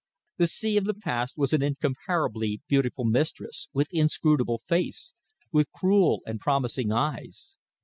The sea of the past was an incomparably beautiful mistress, with inscrutable face, with cruel and promising eyes.